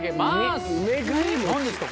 何ですか？